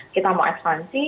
kita mau ekspansi